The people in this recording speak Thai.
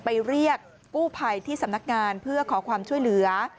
เรียกกู้ภัยที่สำนักงานเพื่อขอความช่วยเหลือ